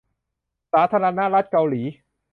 สาธารณรัฐเกาหลี